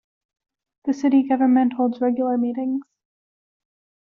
The city government holds regular meetings.